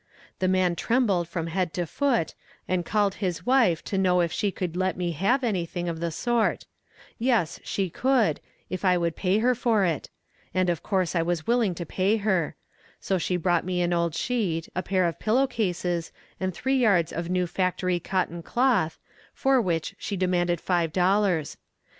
The man trembled from head to foot, and called his wife to know if she could let me have anything of the sort; yes, she could, if I would pay her for it; and of course I was willing to pay her; so she brought me an old sheet, a pair of pillow cases, and three yards of new factory cotton cloth, for which she demanded five dollars.